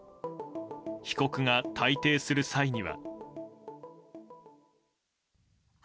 被告が退廷する際には。